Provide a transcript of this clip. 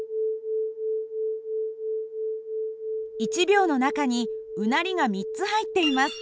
１秒の中にうなりが３つ入っています。